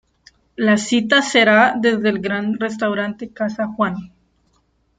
La cita sera desde el gran restaurante Casa Juan